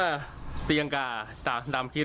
จะจิงกราตามคิด